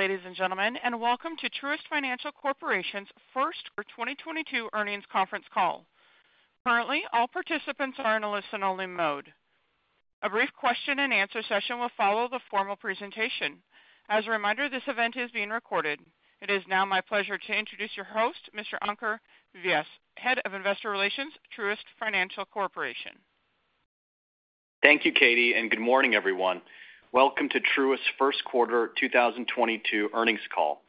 Ladies and gentlemen, welcome to Truist Financial Corporation's first quarter 2022 earnings conference call. Currently, all participants are in a listen-only mode. A brief question-and-answer session will follow the formal presentation. As a reminder, this event is being recorded. It is now my pleasure to introduce your host, Mr. Ankur Vyas, Head of Investor Relations, Truist Financial Corporation. Thank you, Katie, and good morning, everyone. Welcome to Truist's first quarter 2022 earnings call.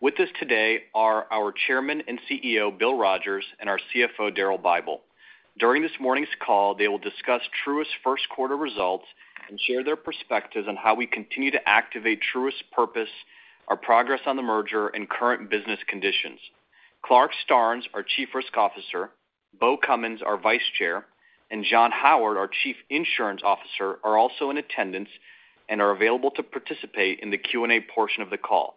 With us today are our Chairman and CEO, Bill Rogers, and our CFO, Daryl Bible. During this morning's call, they will discuss Truist's first quarter results and share their perspectives on how we continue to activate Truist's purpose, our progress on the merger, and current business conditions. Clarke Starnes, our Chief Risk Officer, Beau Cummins, our Vice Chair, and John Howard, our Chief Insurance Officer, are also in attendance and are available to participate in the Q&A portion of the call.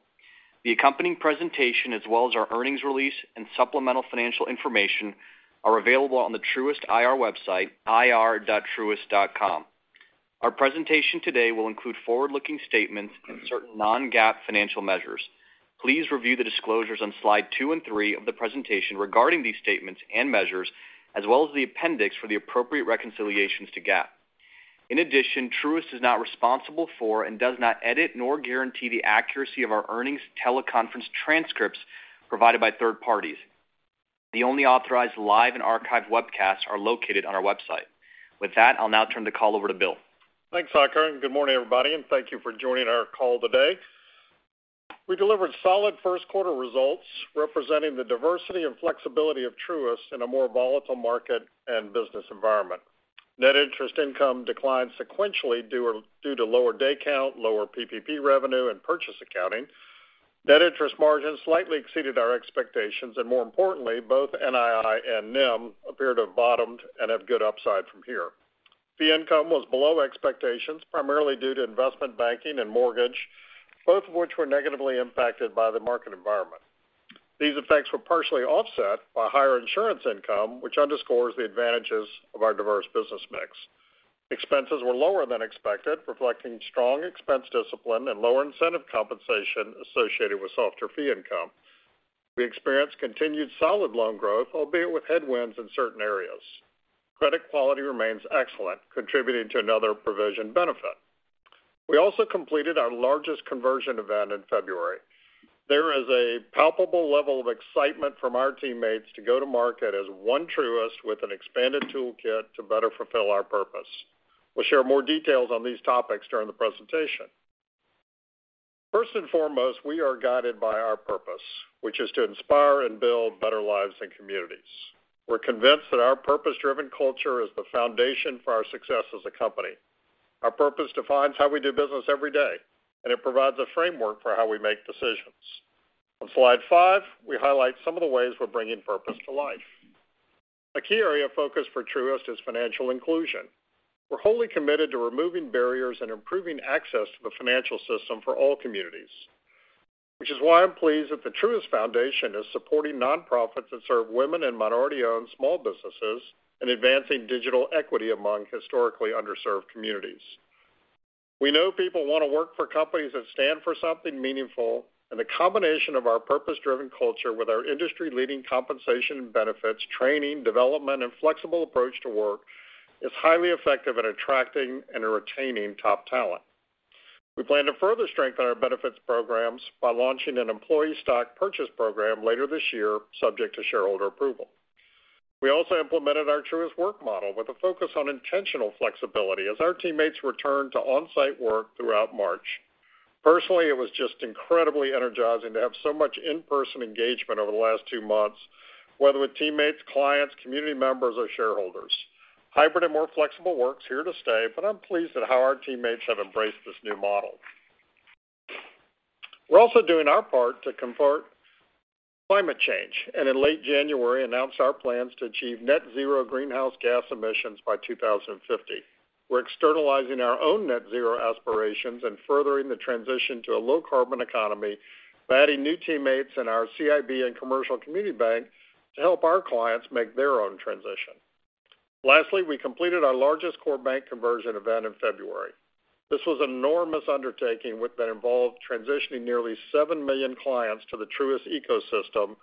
The accompanying presentation as well as our earnings release and supplemental financial information are available on the Truist IR website, ir.truist.com. Our presentation today will include forward-looking statements and certain non-GAAP financial measures. Please review the disclosures on slide two and three of the presentation regarding these statements and measures, as well as the appendix for the appropriate reconciliations to GAAP. In addition, Truist is not responsible for and does not edit nor guarantee the accuracy of our earnings teleconference transcripts provided by third parties. The only authorized live and archived webcasts are located on our website. With that, I'll now turn the call over to Bill. Thanks, Ankur, and good morning, everybody, and thank you for joining our call today. We delivered solid first quarter results representing the diversity and flexibility of Truist in a more volatile market and business environment. Net interest income declined sequentially due to lower day count, lower PPP revenue, and purchase accounting. Net interest margins slightly exceeded our expectations, and more importantly, both NII and NIM appear to have bottomed and have good upside from here. Fee income was below expectations, primarily due to investment banking and mortgage, both of which were negatively impacted by the market environment. These effects were partially offset by higher insurance income, which underscores the advantages of our diverse business mix. Expenses were lower than expected, reflecting strong expense discipline and lower incentive compensation associated with softer fee income. We experienced continued solid loan growth, albeit with headwinds in certain areas. Credit quality remains excellent, contributing to another provision benefit. We also completed our largest conversion event in February. There is a palpable level of excitement from our teammates to go to market as one Truist with an expanded toolkit to better fulfill our purpose. We'll share more details on these topics during the presentation. First and foremost, we are guided by our purpose, which is to inspire and build better lives and communities. We're convinced that our purpose-driven culture is the foundation for our success as a company. Our purpose defines how we do business every day, and it provides a framework for how we make decisions. On slide five, we highlight some of the ways we're bringing purpose to life. A key area of focus for Truist is financial inclusion. We're wholly committed to removing barriers and improving access to the financial system for all communities, which is why I'm pleased that the Truist Foundation is supporting nonprofits that serve women and minority-owned small businesses and advancing digital equity among historically underserved communities. We know people want to work for companies that stand for something meaningful, and the combination of our purpose-driven culture with our industry-leading compensation and benefits, training, development, and flexible approach to work is highly effective at attracting and retaining top talent. We plan to further strengthen our benefits programs by launching an employee stock purchase program later this year, subject to shareholder approval. We also implemented our Truist Work Model with a focus on intentional flexibility as our teammates returned to on-site work throughout March. Personally, it was just incredibly energizing to have so much in-person engagement over the last 2 months, whether with teammates, clients, community members, or shareholders. Hybrid and more flexible work's here to stay, but I'm pleased at how our teammates have embraced this new model. We're also doing our part to combat climate change, and in late January, announced our plans to achieve net zero greenhouse gas emissions by 2050. We're externalizing our own net zero aspirations and furthering the transition to a low carbon economy by adding new teammates in our CIB and commercial community bank to help our clients make their own transition. Lastly, we completed our largest core bank conversion event in February. This was an enormous undertaking that involved transitioning nearly 7 million clients to the Truist ecosystem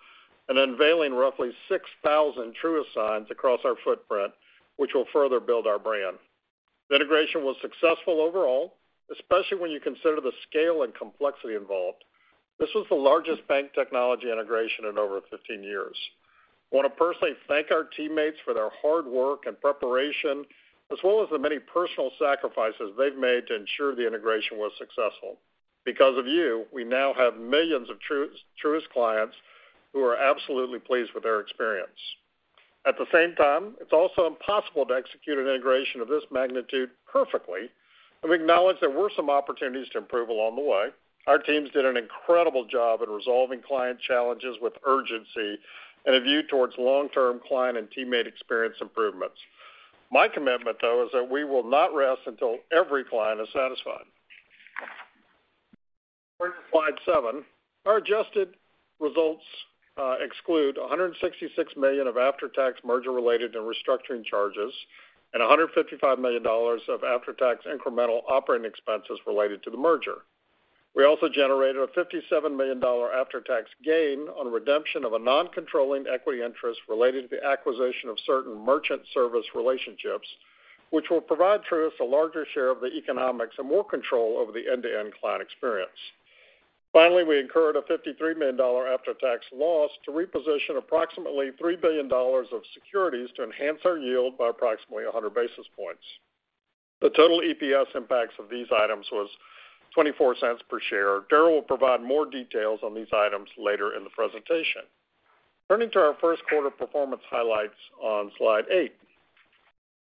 and unveiling roughly 6,000 Truist signs across our footprint, which will further build our brand. The integration was successful overall, especially when you consider the scale and complexity involved. This was the largest bank technology integration in over 15 years. I want to personally thank our teammates for their hard work and preparation, as well as the many personal sacrifices they've made to ensure the integration was successful. Because of you, we now have millions of Truist clients who are absolutely pleased with their experience. At the same time, it's also impossible to execute an integration of this magnitude perfectly, and we acknowledge there were some opportunities to improve along the way. Our teams did an incredible job at resolving client challenges with urgency and a view towards long-term client and teammate experience improvements. My commitment, though, is that we will not rest until every client is satisfied. Turning to slide seven, our adjusted results exclude $166 million of after-tax merger-related and restructuring charges and $155 million of after-tax incremental operating expenses related to the merger. We also generated a $57 million after-tax gain on redemption of a non-controlling equity interest related to the acquisition of certain merchant service relationships, which will provide Truist a larger share of the economics and more control over the end-to-end client experience. Finally, we incurred a $53 million after-tax loss to reposition approximately $3 billion of securities to enhance our yield by approximately 100 basis points. The total EPS impacts of these items was $0.24 per share. Daryl will provide more details on these items later in the presentation. Turning to our first quarter performance highlights on slide eight.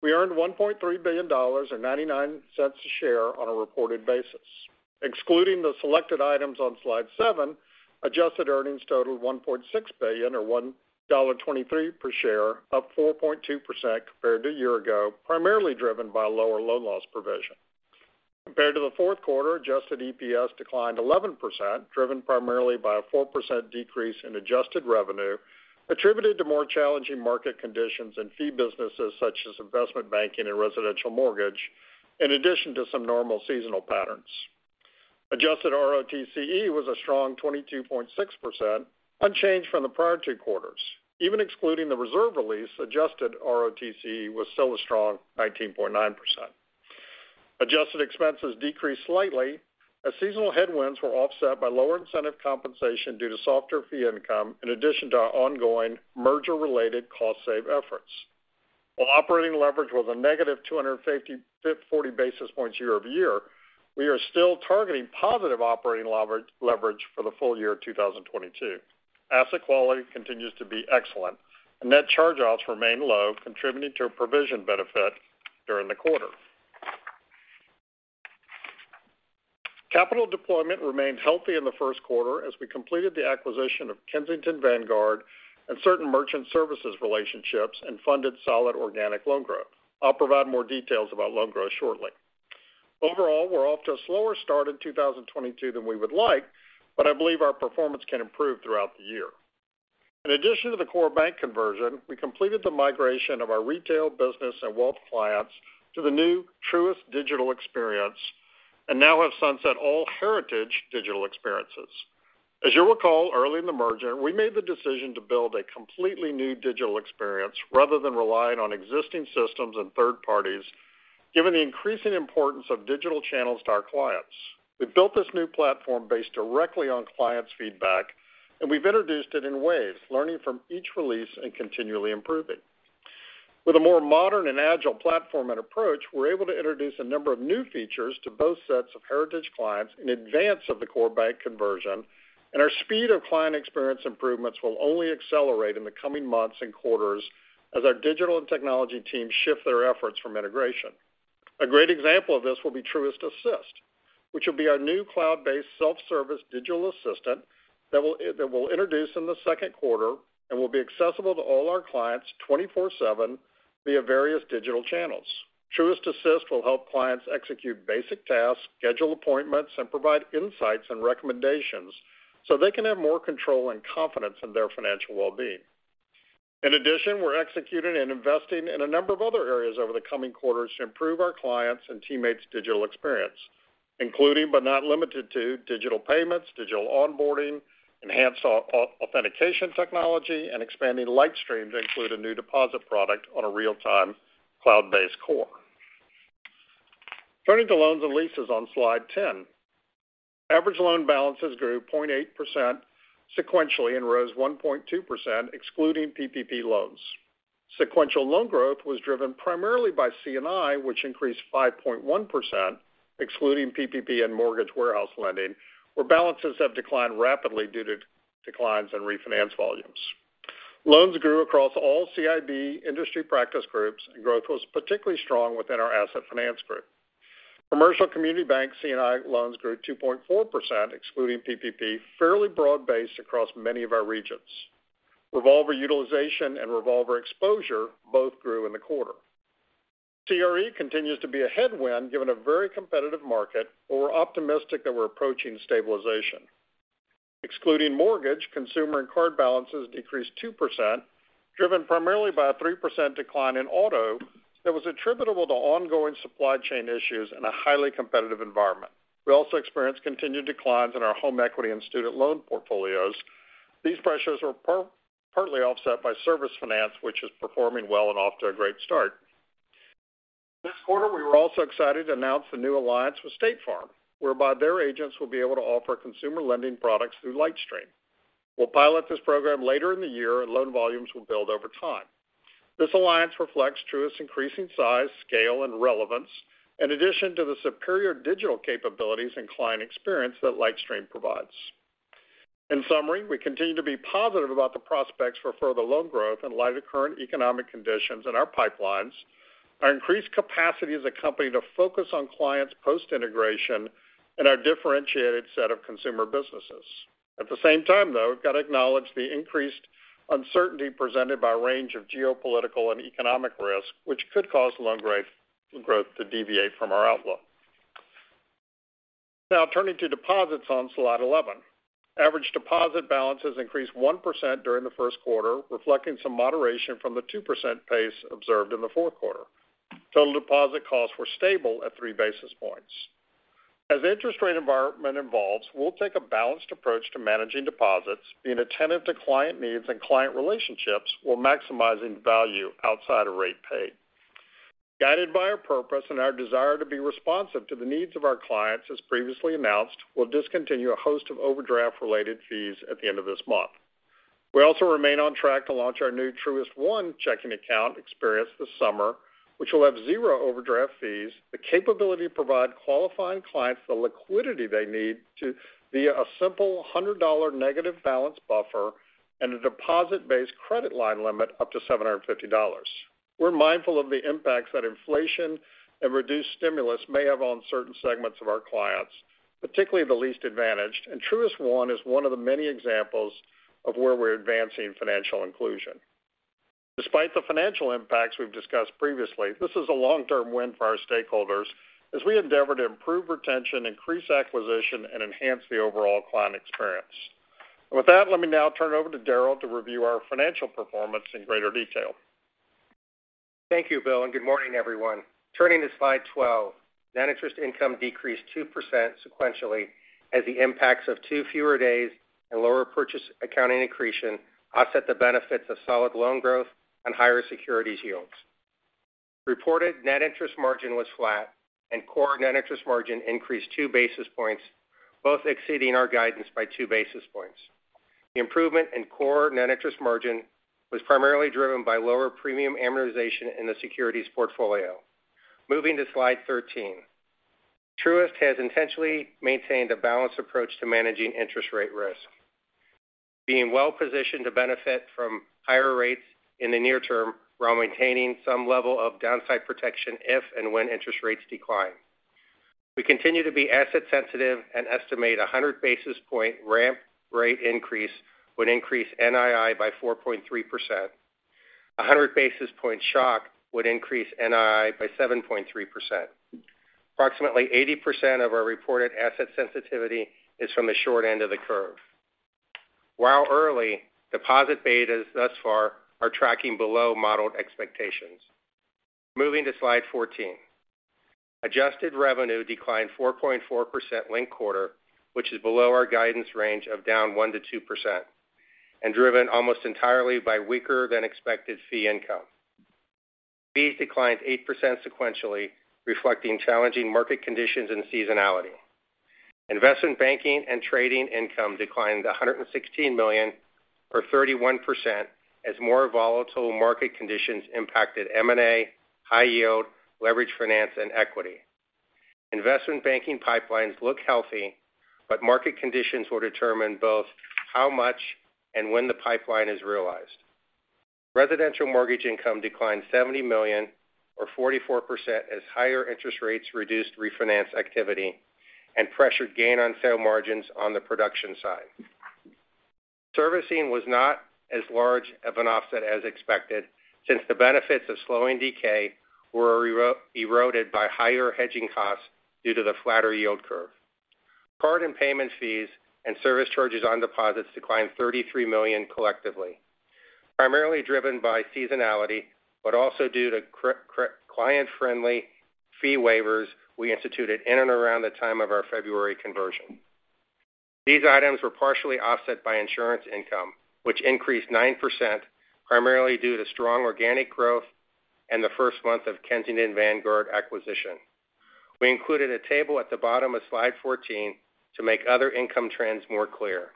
We earned $1.3 billion or $0.99 a share on a reported basis. Excluding the selected items on slide seven, adjusted earnings totaled $1.6 billion or $1.23 per share, up 4.2% compared to a year ago, primarily driven by lower loan loss provision. Compared to the fourth quarter, adjusted EPS declined 11%, driven primarily by a 4% decrease in adjusted revenue, attributed to more challenging market conditions and fee businesses such as investment banking and residential mortgage, in addition to some normal seasonal patterns. Adjusted ROTCE was a strong 22.6%, unchanged from the prior two quarters. Even excluding the reserve release, adjusted ROTCE was still a strong 19.9%. Adjusted expenses decreased slightly as seasonal headwinds were offset by lower incentive compensation due to softer fee income, in addition to our ongoing merger related cost save efforts. While operating leverage was a -255.40 basis points year-over-year, we are still targeting positive operating leverage for the full year 2022. Asset quality continues to be excellent, and net charge-offs remain low, contributing to a provision benefit during the quarter. Capital deployment remained healthy in the first quarter as we completed the acquisition of Kensington Vanguard and certain merchant services relationships and funded solid organic loan growth. I'll provide more details about loan growth shortly. Overall, we're off to a slower start in 2022 than we would like, but I believe our performance can improve throughout the year. In addition to the core bank conversion, we completed the migration of our retail business and wealth clients to the new Truist digital experience, and now have sunset all heritage digital experiences. As you'll recall, early in the merger, we made the decision to build a completely new digital experience rather than relying on existing systems and third parties, given the increasing importance of digital channels to our clients. We've built this new platform based directly on clients' feedback, and we've introduced it in waves, learning from each release and continually improving. With a more modern and agile platform and approach, we're able to introduce a number of new features to both sets of heritage clients in advance of the core bank conversion, and our speed of client experience improvements will only accelerate in the coming months and quarters as our digital and technology teams shift their efforts from integration. A great example of this will be Truist Assist, which will be our new cloud-based self-service digital assistant that we'll introduce in the second quarter and will be accessible to all our clients 24/7 via various digital channels. Truist Assist will help clients execute basic tasks, schedule appointments, and provide insights and recommendations, so they can have more control and confidence in their financial well-being. In addition, we're executing and investing in a number of other areas over the coming quarters to improve our clients' and teammates' digital experience, including, but not limited to digital payments, digital onboarding, enhanced authentication technology, and expanding LightStream to include a new deposit product on a real-time cloud-based core. Turning to loans and leases on slide 10. Average loan balances grew 0.8% sequentially and rose 1.2% excluding PPP loans. Sequential loan growth was driven primarily by C&I, which increased 5.1%, excluding PPP and mortgage warehouse lending, where balances have declined rapidly due to declines in refinance volumes. Loans grew across all CIB industry practice groups, and growth was particularly strong within our asset finance group. Commercial community bank C&I loans grew 2.4%, excluding PPP, fairly broad-based across many of our regions. Revolver utilization and revolver exposure both grew in the quarter. CRE continues to be a headwind given a very competitive market, but we're optimistic that we're approaching stabilization. Excluding mortgage, consumer and card balances decreased 2%, driven primarily by a 3% decline in auto that was attributable to ongoing supply chain issues in a highly competitive environment. We also experienced continued declines in our home equity and student loan portfolios. These pressures were partly offset by Service Finance, which is performing well and off to a great start. This quarter, we were also excited to announce the new alliance with State Farm, whereby their agents will be able to offer consumer lending products through LightStream. We'll pilot this program later in the year, and loan volumes will build over time. This alliance reflects Truist's increasing size, scale, and relevance, in addition to the superior digital capabilities and client experience that LightStream provides. In summary, we continue to be positive about the prospects for further loan growth in light of current economic conditions in our pipelines, our increased capacity as a company to focus on clients post-integration, and our differentiated set of consumer businesses. At the same time, though, we've got to acknowledge the increased uncertainty presented by a range of geopolitical and economic risks, which could cause loan growth to deviate from our outlook. Now turning to deposits on slide 11. Average deposit balances increased 1% during the first quarter, reflecting some moderation from the 2% pace observed in the fourth quarter. Total deposit costs were stable at 3 basis points. As interest rate environment evolves, we'll take a balanced approach to managing deposits, being attentive to client needs and client relationships while maximizing value outside of rate pay. Guided by our purpose and our desire to be responsive to the needs of our clients, as previously announced, we'll discontinue a host of overdraft-related fees at the end of this month. We also remain on track to launch our new Truist One checking account experience this summer, which will have zero overdraft fees, the capability to provide qualifying clients the liquidity they need to avoid via a simple $100 negative balance buffer and a deposit-based credit line limit up to $750. We're mindful of the impacts that inflation and reduced stimulus may have on certain segments of our clients, particularly the least advantaged. Truist One is one of the many examples of where we're advancing financial inclusion. Despite the financial impacts we've discussed previously, this is a long-term win for our stakeholders as we endeavor to improve retention, increase acquisition, and enhance the overall client experience. With that, let me now turn it over to Daryl to review our financial performance in greater detail. Thank you, Bill, and good morning, everyone. Turning to slide 12. Net interest income decreased 2% sequentially as the impacts of two fewer days and lower purchase accounting accretion offset the benefits of solid loan growth and higher securities yields. Reported net interest margin was flat and core net interest margin increased two basis points, both exceeding our guidance by two basis points. The improvement in core net interest margin was primarily driven by lower premium amortization in the securities portfolio. Moving to slide 13. Truist has intentionally maintained a balanced approach to managing interest rate risk, being well-positioned to benefit from higher rates in the near term, while maintaining some level of downside protection if and when interest rates decline. We continue to be asset sensitive and estimate a 100 basis point ramp rate increase would increase NII by 4.3%. A 100 basis point shock would increase NII by 7.3%. Approximately 80% of our reported asset sensitivity is from the short end of the curve, while early deposit betas thus far are tracking below modeled expectations. Moving to slide 14. Adjusted revenue declined 4.4% linked quarter, which is below our guidance range of down 1%-2% and driven almost entirely by weaker than expected fee income. Fees declined 8% sequentially, reflecting challenging market conditions and seasonality. Investment banking and trading income declined $116 million or 31% as more volatile market conditions impacted M&A, high yield, leveraged finance and equity. Investment banking pipelines look healthy, but market conditions will determine both how much and when the pipeline is realized. Residential mortgage income declined $70 million or 44% as higher interest rates reduced refinance activity and pressured gain on sale margins on the production side. Servicing was not as large of an offset as expected, since the benefits of slowing decay were eroded by higher hedging costs due to the flatter yield curve. Card and payment fees and service charges on deposits declined $33 million collectively, primarily driven by seasonality, but also due to client-friendly fee waivers we instituted in and around the time of our February conversion. These items were partially offset by insurance income, which increased 9% primarily due to strong organic growth and the first month of Kensington Vanguard acquisition. We included a table at the bottom of slide 14 to make other income trends more clear.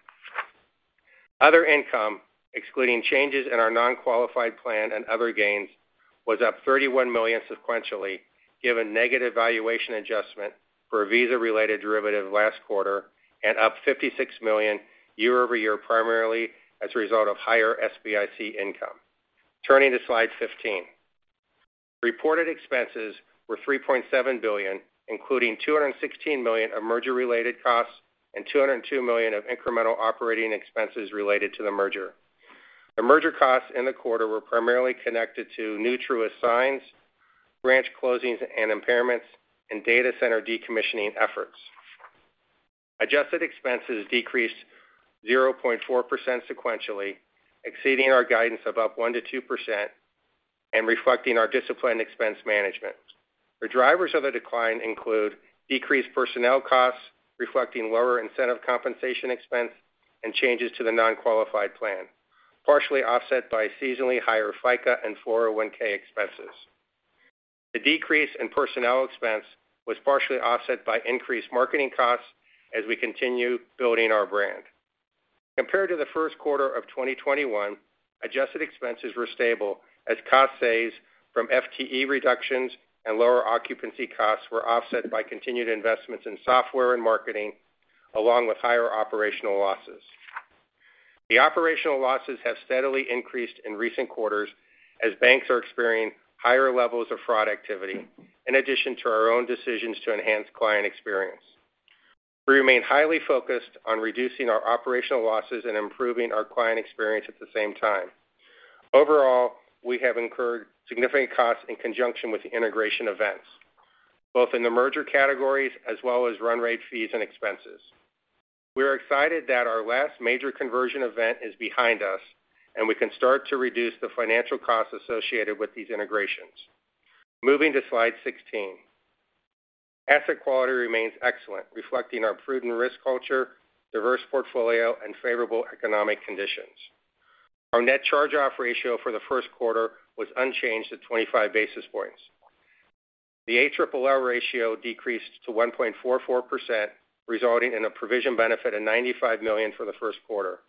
Other income, excluding changes in our non-qualified plan and other gains was up $31 million sequentially, given negative valuation adjustment for a Visa-related derivative last quarter and up $56 million year over year, primarily as a result of higher SBIC income. Turning to slide 15. Reported expenses were $3.7 billion, including $216 million of merger-related costs and $202 million of incremental operating expenses related to the merger. The merger costs in the quarter were primarily connected to new Truist signs, branch closings and impairments and data center decommissioning efforts. Adjusted expenses decreased 0.4% sequentially, exceeding our guidance of up 1%-2% and reflecting our disciplined expense management. The drivers of the decline include decreased personnel costs, reflecting lower incentive compensation expense and changes to the non-qualified plan, partially offset by seasonally higher FICA and 401 expenses. The decrease in personnel expense was partially offset by increased marketing costs as we continue building our brand. Compared to the first quarter of 2021, adjusted expenses were stable as cost saves from FTE reductions and lower occupancy costs were offset by continued investments in software and marketing, along with higher operational losses. The operational losses have steadily increased in recent quarters as banks are experiencing higher levels of fraud activity, in addition to our own decisions to enhance client experience. We remain highly focused on reducing our operational losses and improving our client experience at the same time. Overall, we have incurred significant costs in conjunction with the integration events, both in the merger categories as well as run rate fees and expenses. We are excited that our last major conversion event is behind us, and we can start to reduce the financial costs associated with these integrations. Moving to Slide 16. Asset quality remains excellent, reflecting our prudent risk culture, diverse portfolio, and favorable economic conditions. Our net charge-off ratio for the first quarter was unchanged at 25 basis points. The ALLL ratio decreased to 1.44%, resulting in a provision benefit of $95 million for the first quarter.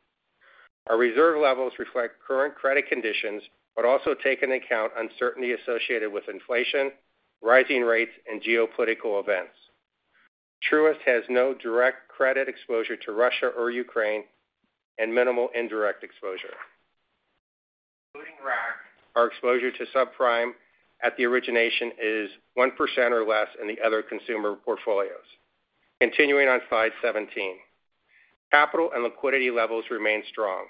Our reserve levels reflect current credit conditions but also take into account uncertainty associated with inflation, rising rates, and geopolitical events. Truist has no direct credit exposure to Russia or Ukraine and minimal indirect exposure. Including RAC, our exposure to subprime at the origination is 1% or less in the other consumer portfolios. Continuing on slide 17. Capital and liquidity levels remain strong.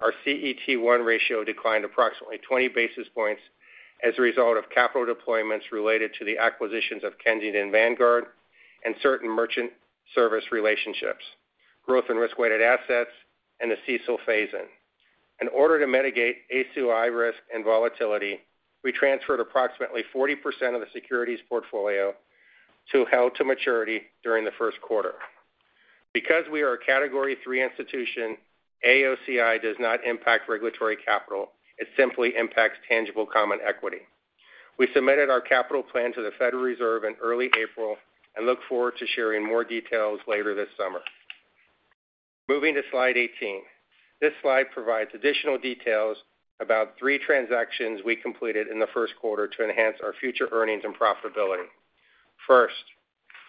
Our CET1 ratio declined approximately 20 basis points as a result of capital deployments related to the acquisitions of Kensington Vanguard and certain merchant service relationships, growth in risk-weighted assets, and the CECL phase-in. In order to mitigate AOCI risk and volatility, we transferred approximately 40% of the securities portfolio to held to maturity during the first quarter. Because we are a Category three institution, AOCI does not impact regulatory capital, it simply impacts tangible common equity. We submitted our capital plan to the Federal Reserve in early April and look forward to sharing more details later this summer. Moving to slide 18. This slide provides additional details about three transactions we completed in the first quarter to enhance our future earnings and profitability. First,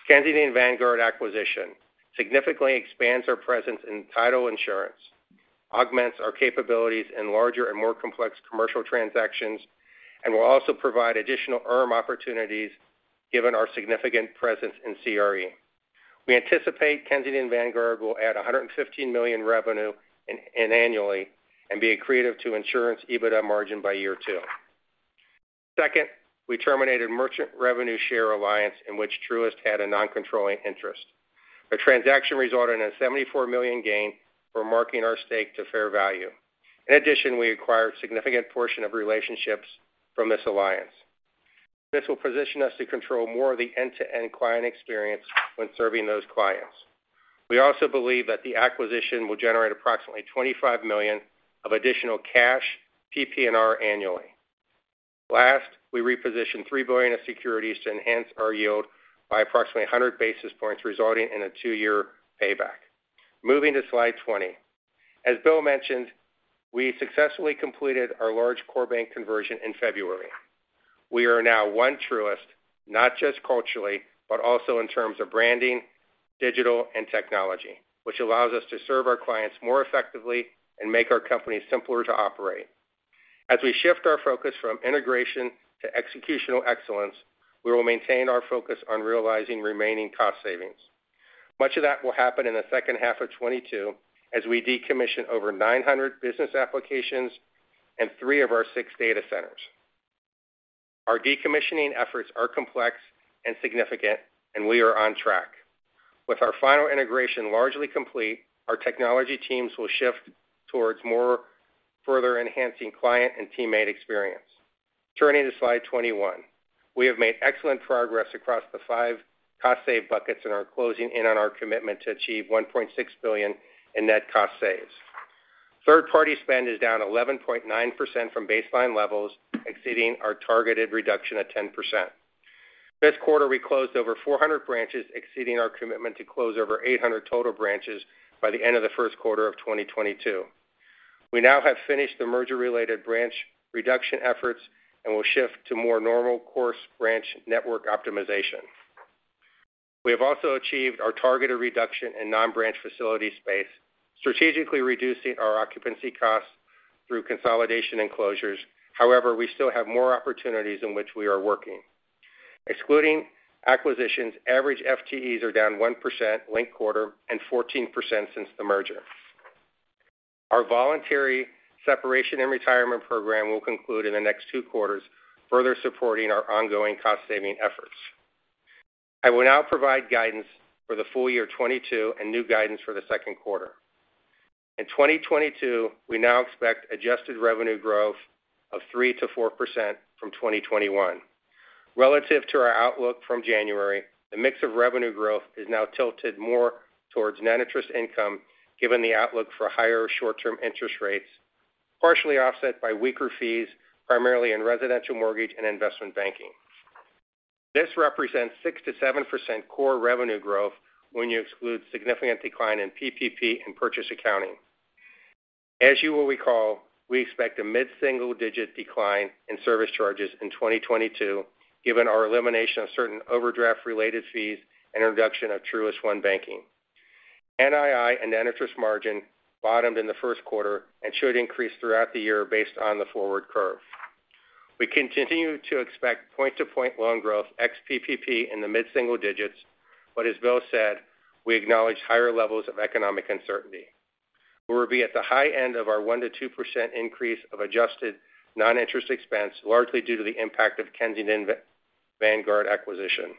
Kensington Vanguard acquisition significantly expands our presence in title insurance, augments our capabilities in larger and more complex commercial transactions, and will also provide additional earn opportunities given our significant presence in CRE. We anticipate Kensington Vanguard will add $115 million revenue annually and be accretive to insurance EBITDA margin by year two. Second, we terminated Merchant Revenue Share Alliance in which Truist had a non-controlling interest. The transaction resulted in a $74 million gain for marking our stake to fair value. In addition, we acquired a significant portion of relationships from this alliance. This will position us to control more of the end-to-end client experience when serving those clients. We also believe that the acquisition will generate approximately $25 million of additional cash PPNR annually. Last, we repositioned $3 billion of securities to enhance our yield by approximately 100 basis points, resulting in a 2-year payback. Moving to slide 20. As Bill mentioned, we successfully completed our large core bank conversion in February. We are now One Truist, not just culturally, but also in terms of branding, digital, and technology, which allows us to serve our clients more effectively and make our company simpler to operate. As we shift our focus from integration to executional excellence, we will maintain our focus on realizing remaining cost savings. Much of that will happen in the second half of 2022 as we decommission over 900 business applications and three of our six data centers. Our decommissioning efforts are complex and significant, and we are on track. With our final integration largely complete, our technology teams will shift towards further enhancing client and teammate experience. Turning to slide 21. We have made excellent progress across the five cost save buckets and are closing in on our commitment to achieve $1.6 billion in net cost saves. Third-party spend is down 11.9% from baseline levels, exceeding our targeted reduction of 10%. This quarter, we closed over 400 branches, exceeding our commitment to close over 800 total branches by the end of the first quarter of 2022. We now have finished the merger-related branch reduction efforts and will shift to more normal course branch network optimization. We have also achieved our targeted reduction in non-branch facility space, strategically reducing our occupancy costs through consolidation and closures. However, we still have more opportunities in which we are working. Excluding acquisitions, average FTEs are down 1% linked quarter and 14% since the merger. Our voluntary separation and retirement program will conclude in the next two quarters, further supporting our ongoing cost-saving efforts. I will now provide guidance for the full year 2022 and new guidance for the second quarter. In 2022, we now expect adjusted revenue growth of 3%-4% from 2021. Relative to our outlook from January, the mix of revenue growth is now tilted more towards net interest income, given the outlook for higher short-term interest rates, partially offset by weaker fees, primarily in residential mortgage and investment banking. This represents 6%-7% core revenue growth when you exclude significant decline in PPP and purchase accounting. As you will recall, we expect a mid-single-digit decline in service charges in 2022, given our elimination of certain overdraft-related fees and introduction of Truist One banking. NII and net interest margin bottomed in the first quarter and should increase throughout the year based on the forward curve. We continue to expect point-to-point loan growth ex PPP in the mid-single digits. As Bill said, we acknowledge higher levels of economic uncertainty, where we'll be at the high end of our 1%-2% increase of adjusted non-interest expense, largely due to the impact of Kensington Vanguard acquisition.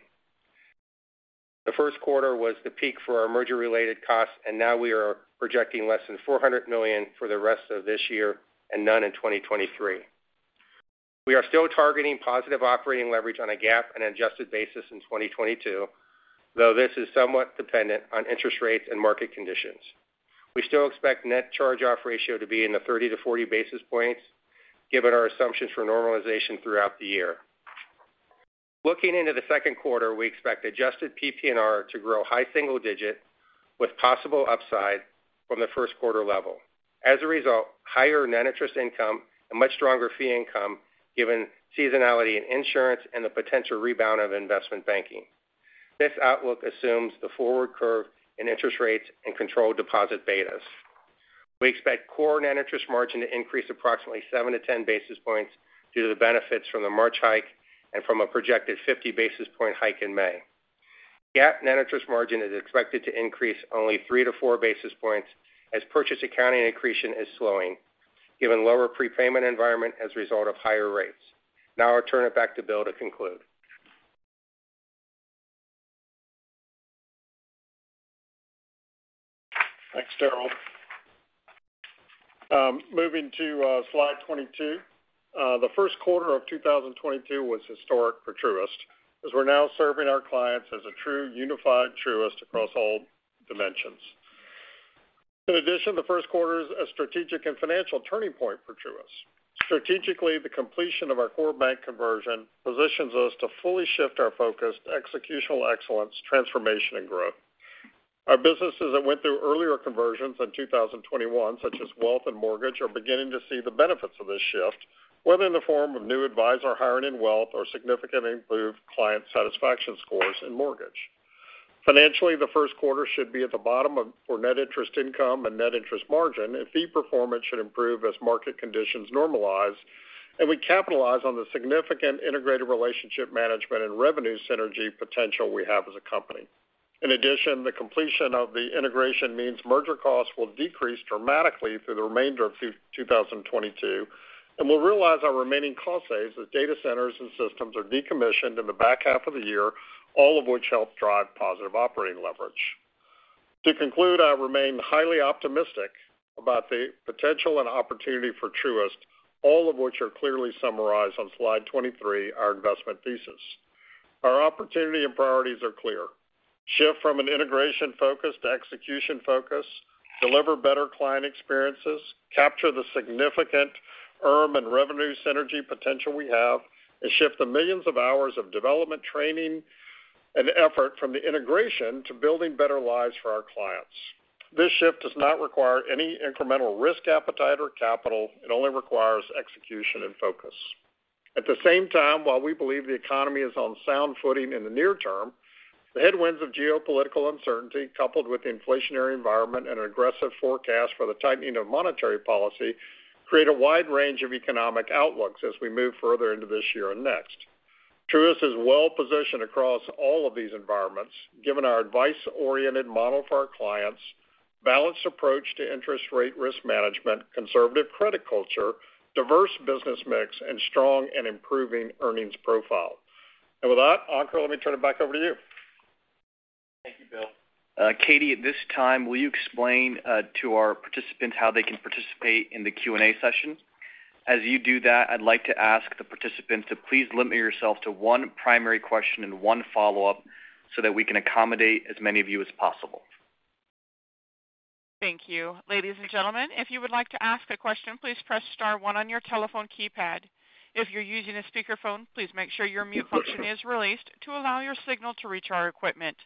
The first quarter was the peak for our merger related costs, and now we are projecting less than $400 million for the rest of this year and none in 2023. We are still targeting positive operating leverage on a GAAP and adjusted basis in 2022, though this is somewhat dependent on interest rates and market conditions. We still expect net charge-off ratio to be in the 30 basis points-40 basis points given our assumptions for normalization throughout the year. Looking into the second quarter, we expect adjusted PPNR to grow high single digit with possible upside from the first quarter level. As a result, higher net interest income and much stronger fee income given seasonality in insurance and the potential rebound of investment banking. This outlook assumes the forward curve in interest rates and controlled deposit betas. We expect core net interest margin to increase approximately 7 basis points-10 basis points due to the benefits from the March hike and from a projected 50 basis point hike in May. GAAP net interest margin is expected to increase only 3 basis points-4 basis points as purchase accounting accretion is slowing given lower prepayment environment as a result of higher rates. Now I'll turn it back to Bill to conclude. Thanks, Daryl. Moving to slide 22. The first quarter of 2022 was historic for Truist as we're now serving our clients as a true unified Truist across all dimensions. In addition, the first quarter is a strategic and financial turning point for Truist. Strategically, the completion of our core bank conversion positions us to fully shift our focus to executional excellence, transformation and growth. Our businesses that went through earlier conversions in 2021, such as wealth and mortgage, are beginning to see the benefits of this shift, whether in the form of new advisor hiring in wealth or significant improved client satisfaction scores in mortgage. Financially, the first quarter should be at the bottom for net interest income and net interest margin, and fee performance should improve as market conditions normalize, and we capitalize on the significant integrated relationship management and revenue synergy potential we have as a company. In addition, the completion of the integration means merger costs will decrease dramatically through the remainder of 2022, and we'll realize our remaining cost saves as data centers and systems are decommissioned in the back half of the year, all of which help drive positive operating leverage. To conclude, I remain highly optimistic about the potential and opportunity for Truist, all of which are clearly summarized on slide 23, our investment thesis. Our opportunity and priorities are clear. Shift from an integration focus to execution focus, deliver better client experiences, capture the significant IRM and revenue synergy potential we have, and shift the millions of hours of development training and effort from the integration to building better lives for our clients. This shift does not require any incremental risk appetite or capital. It only requires execution and focus. At the same time, while we believe the economy is on sound footing in the near term, the headwinds of geopolitical uncertainty, coupled with the inflationary environment and an aggressive forecast for the tightening of monetary policy, create a wide range of economic outlooks as we move further into this year and next. Truist is well positioned across all of these environments given our advice-oriented model for our clients, balanced approach to interest rate risk management, conservative credit culture, diverse business mix, and strong and improving earnings profile. With that, Ankur, let me turn it back over to you. Thank you, Bill. Katie, at this time, will you explain to our participants how they can participate in the Q&A session? As you do that, I'd like to ask the participants to please limit yourself to one primary question and one follow-up so that we can accommodate as many of you as possible. Thank you. Ladies and gentlemen, if you would like to ask a question, please press star one on your telephone keypad. If you're using a speakerphone, please make sure your mute function is released to allow your signal to reach our equipment.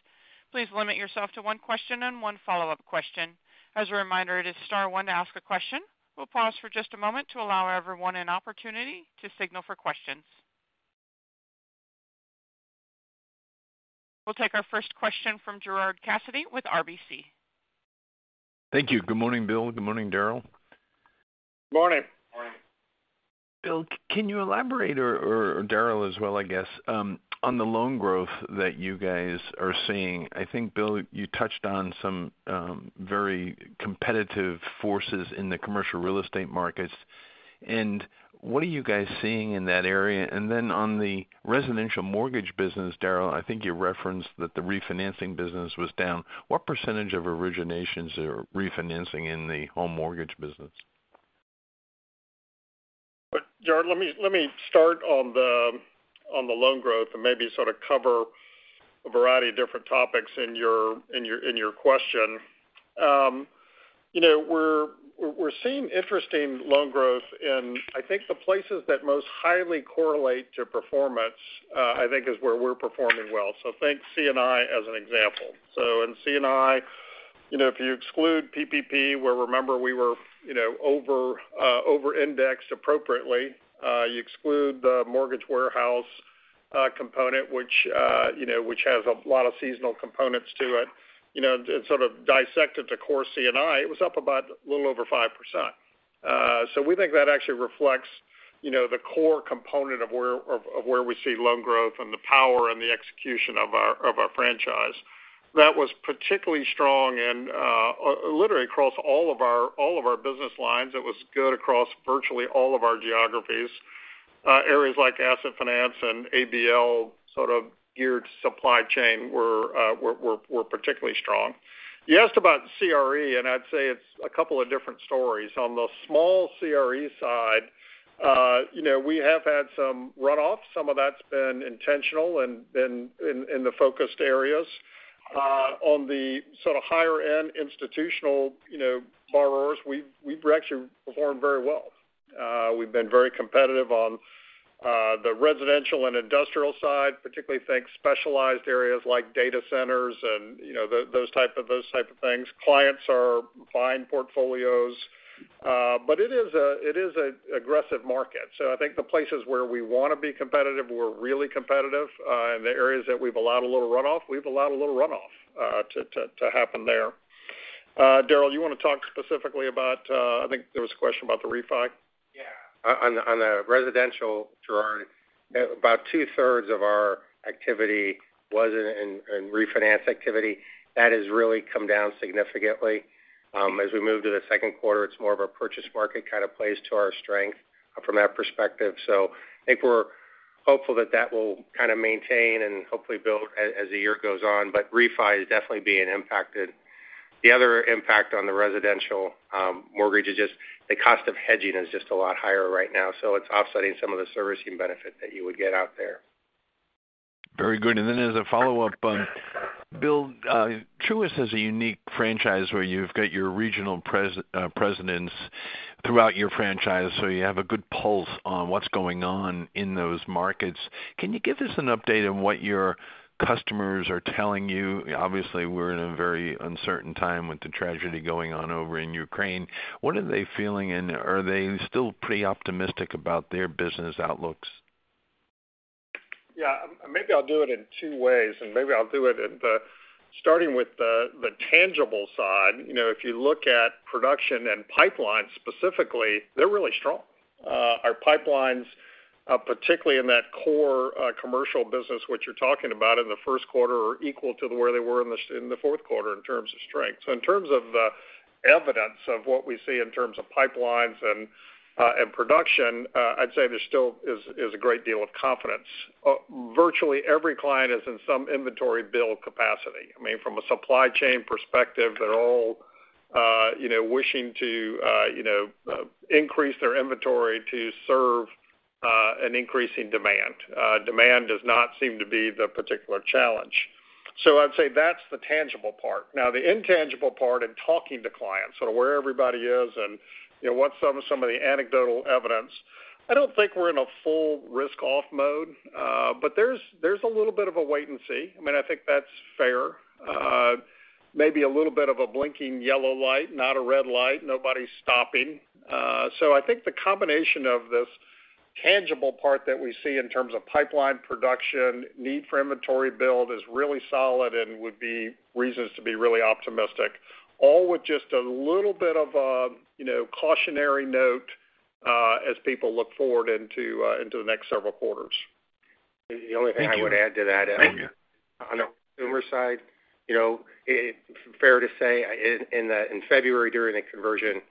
Please limit yourself to one question and one follow-up question. As a reminder, it is star one to ask a question. We'll pause for just a moment to allow everyone an opportunity to signal for questions. We'll take our first question from Gerard Cassidy with RBC. Thank you. Good morning, Bill. Good morning, Daryl. Good morning. Morning. Bill, can you elaborate or Daryl as well, I guess, on the loan growth that you guys are seeing? I think, Bill, you touched on some very competitive forces in the commercial real estate markets. What are you guys seeing in that area? Then on the residential mortgage business, Daryl, I think you referenced that the refinancing business was down. What percentage of originations are refinancing in the home mortgage business? Gerard, let me start on the loan growth and maybe sort of cover a variety of different topics in your question. You know, we're seeing interesting loan growth in, I think, the places that most highly correlate to performance. I think is where we're performing well. So think C&I as an example. So in C&I, you know, if you exclude PPP, where remember we were, you know, over-indexed appropriately, you exclude the mortgage warehouse component which, you know, which has a lot of seasonal components to it. You know, sort of dissected to core C&I, it was up about a little over 5%. We think that actually reflects, you know, the core component of where we see loan growth and the power and the execution of our franchise. That was particularly strong and literally across all of our business lines. It was good across virtually all of our geographies. Areas like asset finance and ABL sort of geared supply chain were particularly strong. You asked about CRE, and I'd say it's a couple of different stories. On the small CRE side, you know, we have had some runoff. Some of that's been intentional and been in the focused areas. On the sort of higher end institutional, you know, borrowers, we've actually performed very well. We've been very competitive on the residential and industrial side, particularly in specialized areas like data centers and, you know, those type of things. Clients are buying portfolios. It is an aggressive market. I think the places where we wanna be competitive, we're really competitive. In the areas that we've allowed a little runoff to happen there. Daryl, you wanna talk specifically about, I think there was a question about the refi? Yeah. On the residential, Gerard, about two-thirds of our activity was in refinance activity. That has really come down significantly. As we move to the second quarter, it's more of a purchase market kind of plays to our strength from that perspective. I think we're hopeful that that will kind of maintain and hopefully build as the year goes on, but refi is definitely being impacted. The other impact on the residential mortgage is just the cost of hedging is just a lot higher right now, so it's offsetting some of the servicing benefit that you would get out there. Very good. As a follow-up on Bill, Truist has a unique franchise where you've got your regional presidents throughout your franchise, so you have a good pulse on what's going on in those markets. Can you give us an update on what your customers are telling you? Obviously, we're in a very uncertain time with the tragedy going on over in Ukraine. What are they feeling, and are they still pretty optimistic about their business outlooks? Yeah. Maybe I'll do it in two ways, and maybe I'll do it starting with the tangible side. You know, if you look at production and pipelines specifically, they're really strong. Our pipelines, particularly in that core commercial business which you're talking about in the first quarter, are equal to where they were in the fourth quarter in terms of strength. In terms of evidence of what we see in terms of pipelines and production, I'd say there still is a great deal of confidence. Virtually every client is in some inventory build capacity. I mean, from a supply chain perspective, they're all you know wishing to you know increase their inventory to serve an increasing demand. Demand does not seem to be the particular challenge. I'd say that's the tangible part. Now the intangible part in talking to clients, sort of where everybody is and, you know, what's some of the anecdotal evidence, I don't think we're in a full risk-off mode. But there's a little bit of a wait and see. I mean, I think that's fair. Maybe a little bit of a blinking yellow light, not a red light. Nobody's stopping. I think the combination of this tangible part that we see in terms of pipeline production, need for inventory build is really solid and would be reasons to be really optimistic, all with just a little bit of a, you know, cautionary note, as people look forward into into the next several quarters. The only thing I would add to that is. Thank you. On the consumer side, you know, it's fair to say in February during the conversion,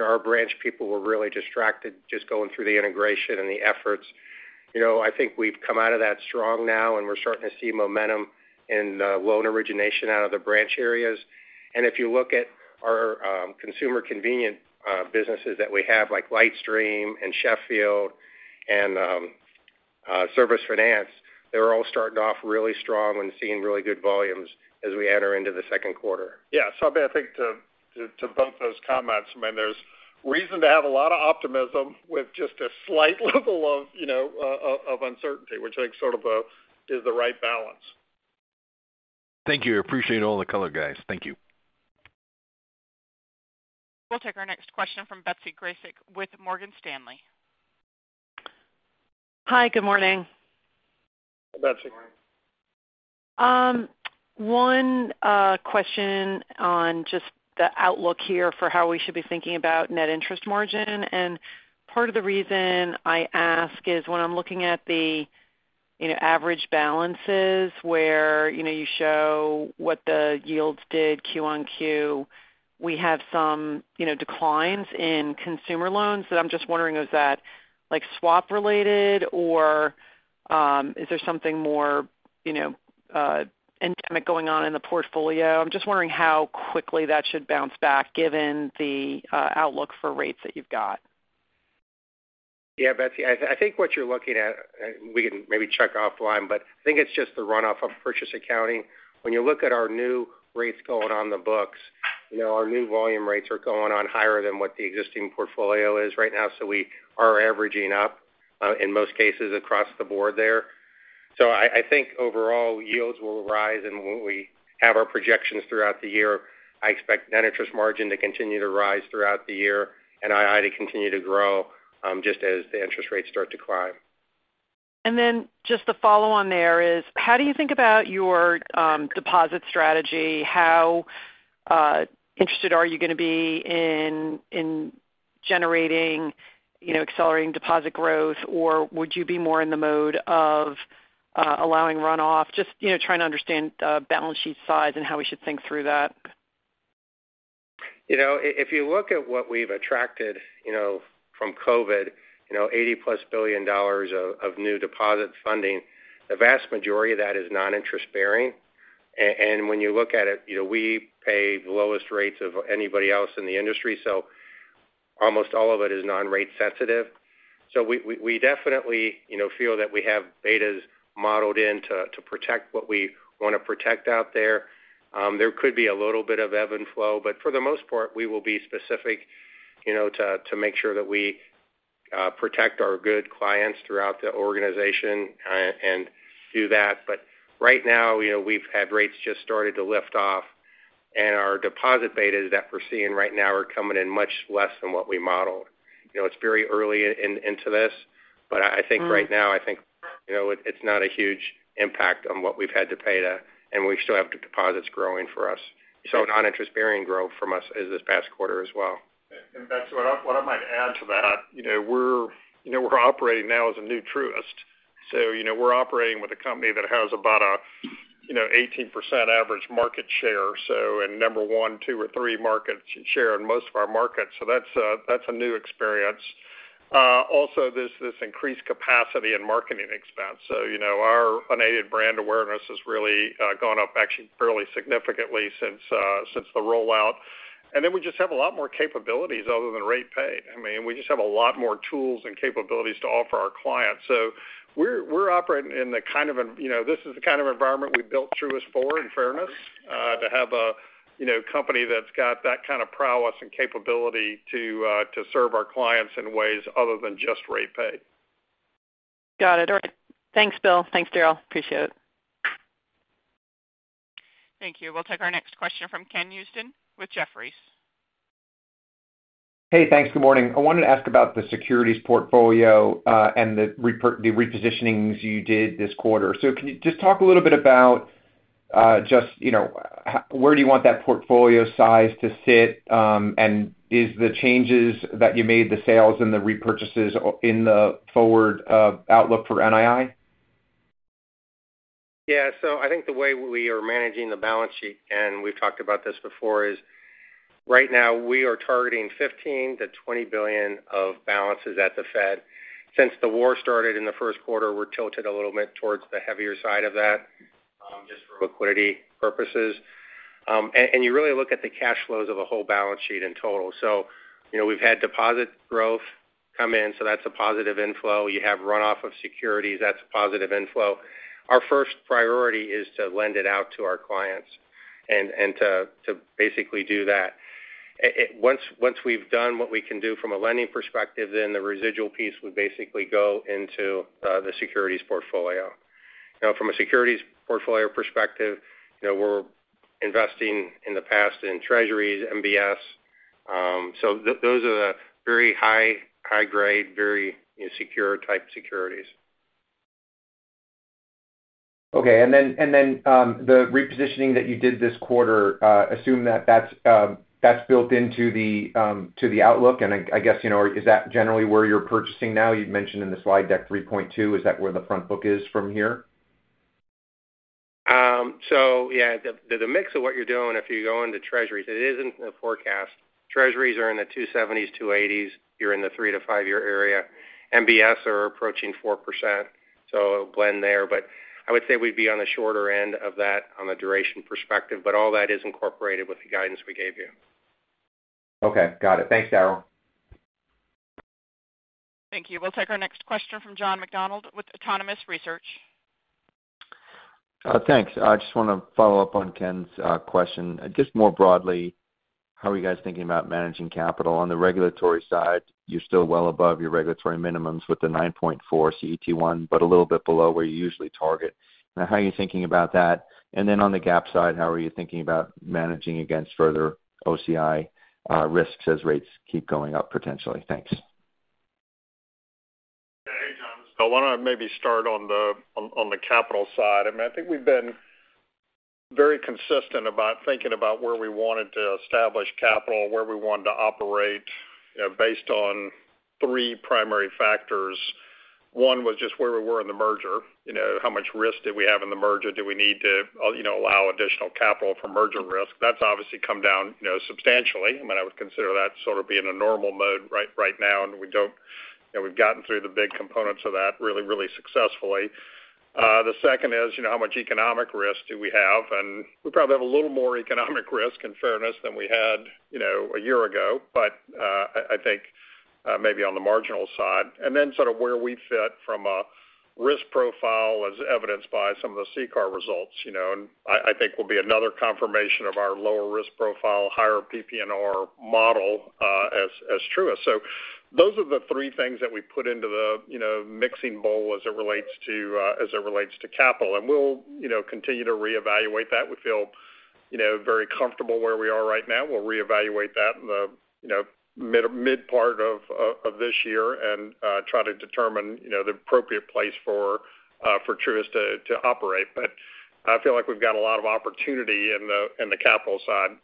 our branch people were really distracted just going through the integration and the efforts. You know, I think we've come out of that strong now, and we're starting to see momentum in loan origination out of the branch areas. If you look at our consumer convenience businesses that we have, like LightStream and Sheffield and Service Finance, they're all starting off really strong and seeing really good volumes as we enter into the second quarter. Yeah. I mean, I think to both those comments, I mean, there's reason to have a lot of optimism with just a slight level of, you know, of uncertainty, which I think sort of is the right balance. Thank you. Appreciate all the color, guys. Thank you. We'll take our next question from Betsy Graseck with Morgan Stanley. Hi. Good morning. Hi, Betsy. Good morning. One question on just the outlook here for how we should be thinking about net interest margin. Part of the reason I ask is when I'm looking at the, you know, average balances where, you know, you show what the yields did Q-on-Q, we have some, you know, declines in consumer loans. I'm just wondering, is that like swap related or, is there something more, you know, endemic going on in the portfolio? I'm just wondering how quickly that should bounce back given the outlook for rates that you've got. Yeah, Betsy. I think what you're looking at, we can maybe check offline, but I think it's just the runoff of purchase accounting. When you look at our new rates going on the books, you know, our new volume rates are going on higher than what the existing portfolio is right now. So we are averaging up in most cases across the board there. So I think overall yields will rise. When we have our projections throughout the year, I expect net interest margin to continue to rise throughout the year and NII to continue to grow just as the interest rates start to climb. Just the follow on there is how do you think about your deposit strategy? How interested are you going to be in generating, you know, accelerating deposit growth? Or would you be more in the mode of allowing runoff? Just trying to understand the balance sheet size and how we should think through that. You know, if you look at what we've attracted, you know, from COVID, you know, $80+ billion of new deposit funding, the vast majority of that is non-interest bearing. When you look at it, you know, we pay the lowest rates of anybody else in the industry, so almost all of it is non-rate sensitive. We definitely, you know, feel that we have betas modeled in to protect what we want to protect out there. There could be a little bit of ebb and flow, but for the most part, we will be specific, you know, to make sure that we protect our good clients throughout the organization and do that. Right now, you know, we've had rates just started to lift off, and our deposit betas that we're seeing right now are coming in much less than what we modeled. You know, it's very early into this, but I think right now, you know, it's not a huge impact on what we've had to pay to, and we still have the deposits growing for us. Noninterest-bearing growth from us is this past quarter as well. Betsy, what I might add to that, you know, we're operating now as a new Truist. So, you know, we're operating with a company that has about 18% average market share. So in number one, two, or three markets share in most of our markets. So that's a new experience. Also, there's this increased capacity and marketing expense. So, you know, our unaided brand awareness has really gone up actually fairly significantly since the rollout. And then we just have a lot more capabilities other than rate pay. I mean, we just have a lot more tools and capabilities to offer our clients. We're operating in the kind of, you know, this is the kind of environment we built Truist for in fairness, to have a, you know, company that's got that kind of prowess and capability to serve our clients in ways other than just rate play. Got it. All right. Thanks, Bill. Thanks, Daryl. Appreciate it. Thank you. We'll take our next question from Ken Usdin with Jefferies. Hey, thanks. Good morning. I wanted to ask about the securities portfolio and the repositionings you did this quarter. Can you just talk a little bit about just, you know, where do you want that portfolio size to sit? And is the changes that you made, the sales and the repurchases in the forward outlook for NII? Yeah. I think the way we are managing the balance sheet, and we've talked about this before, is right now we are targeting $15 billion-$20 billion of balances at the Fed. Since the war started in the first quarter, we're tilted a little bit towards the heavier side of that, just for liquidity purposes. You really look at the cash flows of a whole balance sheet in total. You know, we've had deposit growth come in, so that's a positive inflow. You have runoff of securities, that's a positive inflow. Our first priority is to lend it out to our clients and to basically do that. Once we've done what we can do from a lending perspective, then the residual piece would basically go into the securities portfolio. Now, from a securities portfolio perspective, you know, we're investing in the past in Treasuries, MBS. So those are the very high, high-grade, very secure type securities. Okay. The repositioning that you did this quarter, assume that that's built into the outlook. I guess, you know, is that generally where you're purchasing now? You'd mentioned in the slide deck 3.2, is that where the front book is from here? Yeah, the mix of what you're doing if you go into Treasuries, it isn't a forecast. Treasuries are in the 2.70s, 2.80s. You're in the 3-year to 5-year area. MBS are approaching 4%, so a blend there. I would say we'd be on the shorter end of that on a duration perspective, but all that is incorporated with the guidance we gave you. Okay. Got it. Thanks, Daryl. Thank you. We'll take our next question from John McDonald with Autonomous Research. Thanks. I just want to follow up on Ken's question. Just more broadly, how are you guys thinking about managing capital? On the regulatory side, you're still well above your regulatory minimums with the 9.4 CET1, but a little bit below where you usually target. How are you thinking about that? Then on the GAAP side, how are you thinking about managing against further OCI risks as rates keep going up potentially? Thanks. Hey, John. Why don't I maybe start on the capital side. I mean, I think we've been very consistent about thinking about where we wanted to establish capital, where we wanted to operate based on three primary factors. One was just where we were in the merger. You know, how much risk did we have in the merger? Do we need to, you know, allow additional capital for merger risk? That's obviously come down, you know, substantially. I mean, I would consider that sort of being a normal mode right now. We don't, you know, we've gotten through the big components of that really successfully. The second is, you know, how much economic risk do we have? We probably have a little more economic risk in fairness than we had, you know, a year ago, but I think maybe on the marginal side. Then sort of where we fit from a risk profile as evidenced by some of the CCAR results, you know. I think will be another confirmation of our lower risk profile, higher PPNR model as Truist. So those are the three things that we put into the, you know, mixing bowl as it relates to capital. We'll, you know, continue to reevaluate that. We feel, you know, very comfortable where we are right now. We'll reevaluate that in the, you know, mid part of this year and try to determine, you know, the appropriate place for Truist to operate. I feel like we've got a lot of opportunity in the capital side,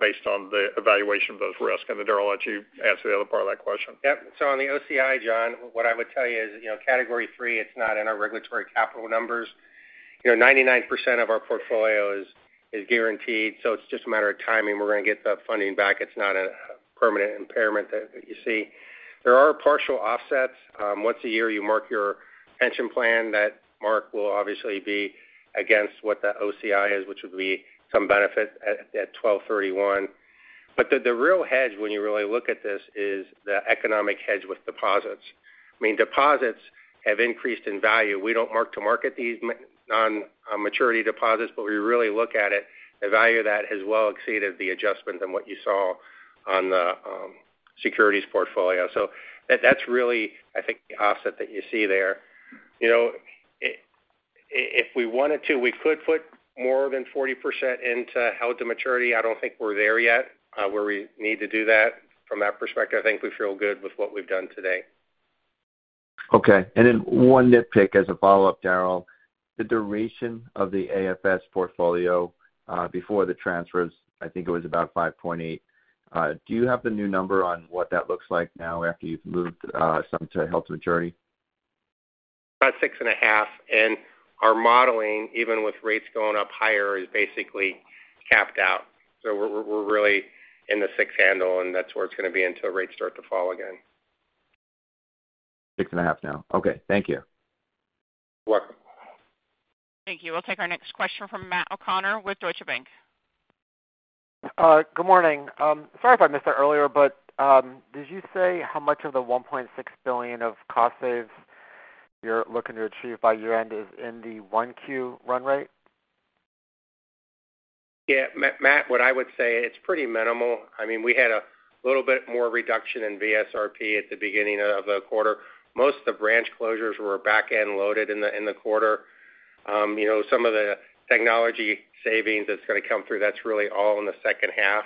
based on the evaluation of those risks. Then Daryl, I'll let you answer the other part of that question. Yep. On the OCI, John, what I would tell you is, you know, Category III, it's not in our regulatory capital numbers. You know, 99% of our portfolio is guaranteed, so it's just a matter of timing. We're gonna get the funding back. It's not a permanent impairment that you see. There are partial offsets. Once a year, you mark your pension plan. That mark will obviously be against what the OCI is, which would be some benefit at 12/31. The real hedge when you really look at this is the economic hedge with deposits. I mean, deposits have increased in value. We don't mark to market these on maturity deposits, but we really look at it. The value of that has well exceeded the adjustment than what you saw on the securities portfolio. So that's really, I think, the offset that you see there. You know, if we wanted to, we could put more than 40% into held to maturity. I don't think we're there yet, where we need to do that. From that perspective, I think we feel good with what we've done today. Okay. One nitpick as a follow-up, Daryl. The duration of the AFS portfolio, before the transfers, I think it was about 5.8. Do you have the new number on what that looks like now after you've moved some to held to maturity? About 6.5. Our modeling, even with rates going up higher, is basically capped out. We're really in the 6 handle, and that's where it's gonna be until rates start to fall again. 6.5 now. Okay, thank you. You're welcome. Thank you. We'll take our next question from Matt O'Connor with Deutsche Bank. Good morning. Sorry if I missed it earlier, but did you say how much of the $1.6 billion of cost savings you're looking to achieve by year-end is in the 1Q run rate? Yeah. Matt, what I would say, it's pretty minimal. I mean, we had a little bit more reduction in VSRP at the beginning of the quarter. Most of the branch closures were back-end loaded in the quarter. You know, some of the technology savings that's gonna come through, that's really all in the second half.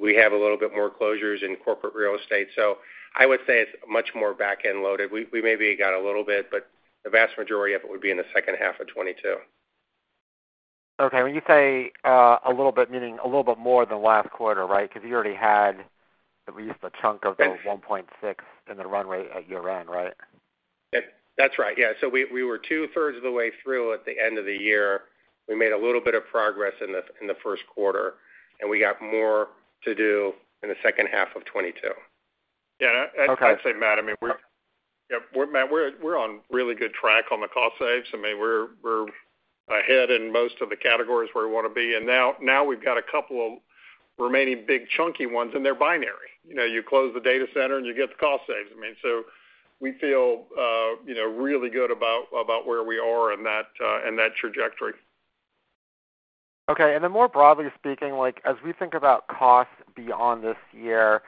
We have a little bit more closures in corporate real estate. So I would say it's much more back-end loaded. We maybe got a little bit, but the vast majority of it would be in the second half of 2022. Okay. When you say a little bit, meaning a little bit more than last quarter, right? 'Cause you already had at least a chunk of the 1.6 in the run rate at year-end, right? That's right. Yeah. We were two-thirds of the way through at the end of the year. We made a little bit of progress in the first quarter, and we got more to do in the second half of 2022. Yeah. I'd say, Matt, I mean, we're on really good track on the cost saves. I mean, we're ahead in most of the categories where we wanna be. Now we've got a couple of remaining big chunky ones, and they're binary. You know, you close the data center and you get the cost saves. I mean, we feel, you know, really good about where we are in that trajectory. Okay. More broadly speaking, like, as we think about costs beyond this year,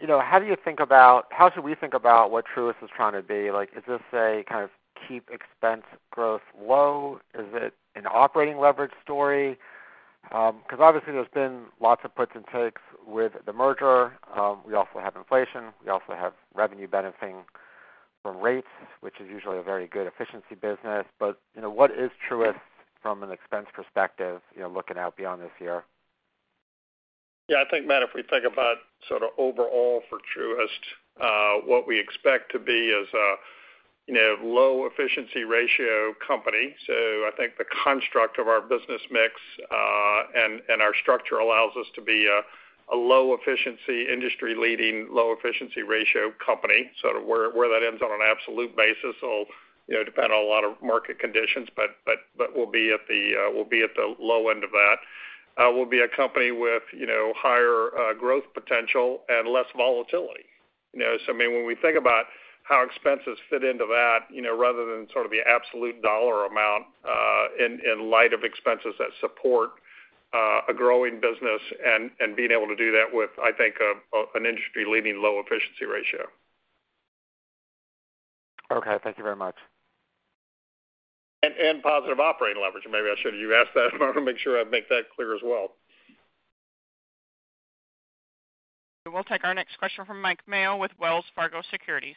you know, how should we think about what Truist is trying to be like? Is this a kind of keep expense growth low? Is it an operating leverage story? Because obviously, there's been lots of puts and takes with the merger. We also have inflation. We also have revenue benefiting from rates, which is usually a very good efficiency business. You know, what is Truist from an expense perspective, you know, looking out beyond this year? Yeah, I think, Matt, if we think about sort of overall for Truist, what we expect to be is a you know low efficiency ratio company. I think the construct of our business mix and our structure allows us to be a low efficiency industry leading low efficiency ratio company. To where that ends on an absolute basis will you know depend on a lot of market conditions, but we'll be at the low end of that. We'll be a company with you know higher growth potential and less volatility. You know, I mean, when we think about how expenses fit into that, you know, rather than sort of the absolute dollar amount, in light of expenses that support a growing business and being able to do that with, I think, an industry-leading low efficiency ratio. Okay. Thank you very much. Positive operating leverage. Maybe I should. You asked that. I wanna make sure I make that clear as well. We'll take our next question from Mike Mayo with Wells Fargo Securities.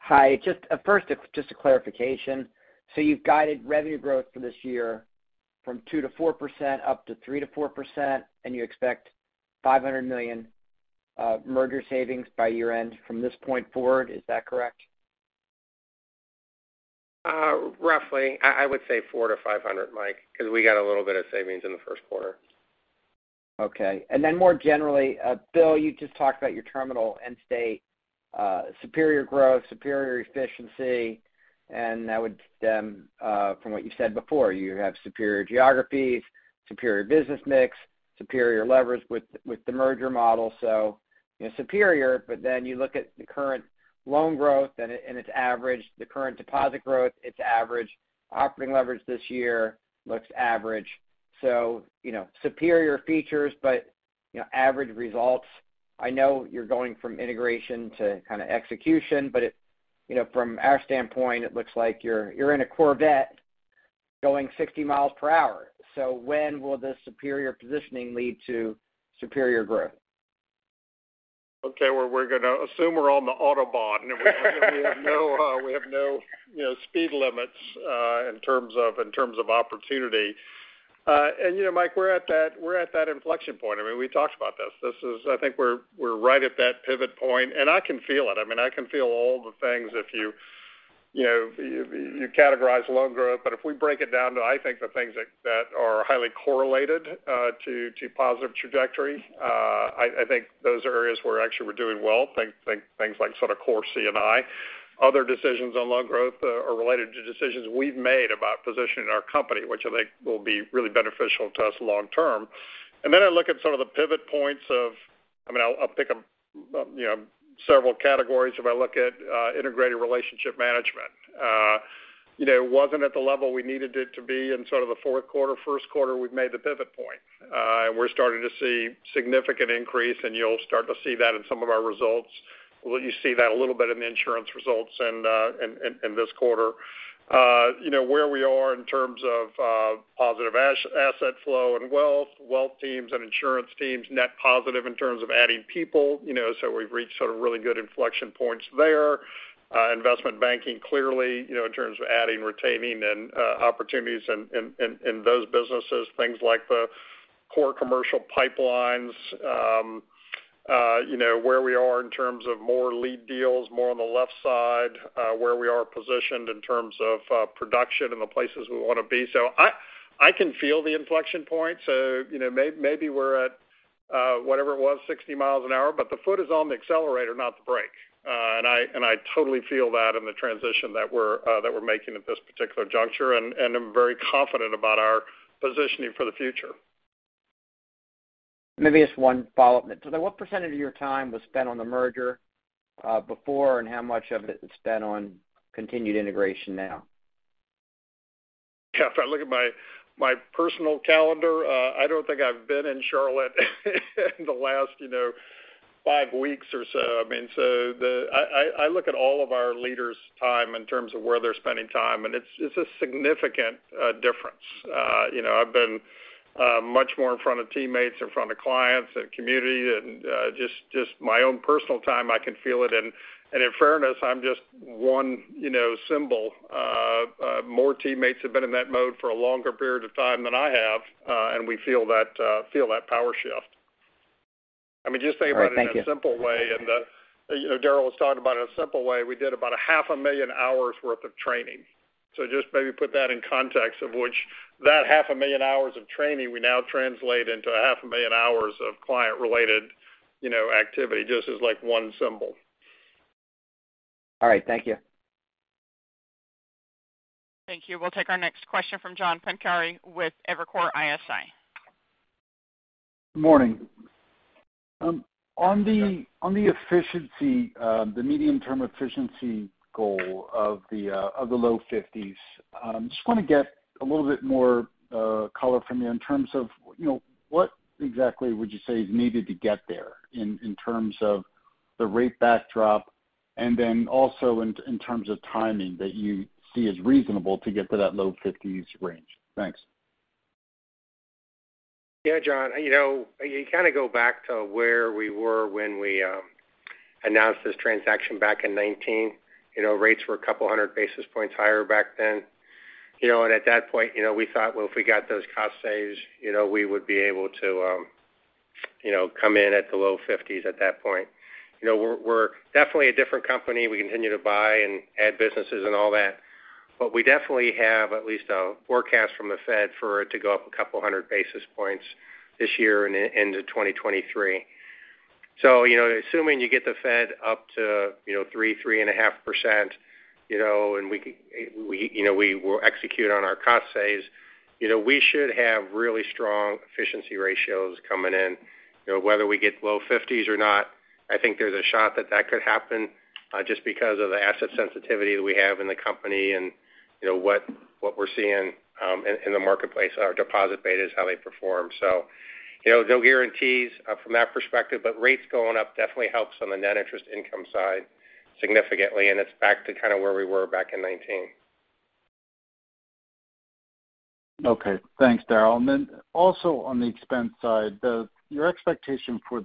Hi. First, just a clarification. You've guided revenue growth for this year from 2%-4% up to 3%-4%, and you expect $500 million merger savings by year-end from this point forward. Is that correct? Roughly. I would say $400-$500, Mike, because we got a little bit of savings in the first quarter. Okay. More generally, Bill, you just talked about your terminal end state, superior growth, superior efficiency, and that would stem from what you said before. You have superior geographies, superior business mix, superior leverage with the merger model, so, you know, superior. You look at the current loan growth and it's average. The current deposit growth, it's average. Operating leverage this year looks average. You know, superior features but, you know, average results. I know you're going from integration to kind of execution, but it You know, from our standpoint, it looks like you're in a Corvette going 60 miles per hour. When will the superior positioning lead to superior growth? Okay, well, we're gonna assume we're on the Autobahn and we have no, you know, speed limits in terms of opportunity. You know, Mike, we're at that inflection point. I mean, we talked about this. This is, I think we're right at that pivot point, and I can feel it. I mean, I can feel all the things if you know, you categorize loan growth. If we break it down to, I think the things that are highly correlated to positive trajectory, I think those areas we're actually doing well. Things like sort of core C&I. Other decisions on loan growth are related to decisions we've made about positioning our company, which I think will be really beneficial to us long term. Then I look at some of the pivot points. I mean, I'll pick, you know, several categories. If I look at integrated relationship management. You know, it wasn't at the level we needed it to be in sort of the fourth quarter, first quarter. We've made the pivot point, and we're starting to see significant increase, and you'll start to see that in some of our results. Well, you see that a little bit in the insurance results and this quarter. You know, where we are in terms of positive asset flow and wealth teams and insurance teams, net positive in terms of adding people, you know. We've reached sort of really good inflection points there. Investment banking, clearly, you know, in terms of adding, retaining and opportunities in those businesses, things like the core commercial pipelines, you know, where we are in terms of more lead deals, more on the left side, where we are positioned in terms of production and the places we want to be. I can feel the inflection points. You know, maybe we're at whatever it was, 60 miles an hour, but the foot is on the accelerator, not the brake. I totally feel that in the transition that we're making at this particular juncture, and I'm very confident about our positioning for the future. Maybe just one follow-up. What percentage of your time was spent on the merger, before, and how much of it is spent on continued integration now? Yeah, if I look at my personal calendar, I don't think I've been in Charlotte in the last, you know, five weeks or so. I mean, I look at all of our leaders' time in terms of where they're spending time, and it's a significant difference. You know, I've been much more in front of teammates, in front of clients and community and just my own personal time, I can feel it. In fairness, I'm just one, you know, symbol. More teammates have been in that mode for a longer period of time than I have, and we feel that power shift. I mean, just think about it in a simple way. All right. Thank you. You know, Daryl was talking about, in a simple way, we did about half a million hours worth of training. Just maybe put that in context of which that half a million hours of training we now translate into half a million hours of client-related, you know, activity, just as like one symbol. All right. Thank you. Thank you. We'll take our next question from John Pancari with Evercore ISI. Good morning. On the efficiency, the medium-term efficiency goal of the low fifties, just wanna get a little bit more color from you in terms of, you know, what exactly would you say is needed to get there in terms of the rate backdrop, and then also in terms of timing that you see as reasonable to get to that low fifties range? Thanks. Yeah, John. You know, you kind of go back to where we were when we announced this transaction back in 2019. You know, rates were a couple hundred basis points higher back then. You know, and at that point, you know, we thought, well, if we got those cost saves, you know, we would be able to, you know, come in at the low 50s at that point. You know, we're definitely a different company. We continue to buy and add businesses and all that. But we definitely have at least a forecast from the Fed for it to go up a couple hundred basis points this year and into 2023. So, you know, assuming you get the Fed up to, you know, 3.5%, you know, and we will execute on our cost saves. You know, we should have really strong efficiency ratios coming in. You know, whether we get low 50s or not, I think there's a shot that that could happen, just because of the asset sensitivity that we have in the company and, you know, what we're seeing in the marketplace, our deposit betas, how they perform. You know, no guarantees from that perspective, but rates going up definitely helps on the net interest income side significantly, and it's back to kind of where we were back in 2019. Okay. Thanks, Daryl. Then also on the expense side, your expectation for